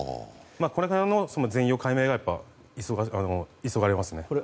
これからの全容解明が急がれますね。